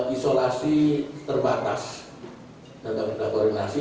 isolasi terbatas dan agar tidak koordinasi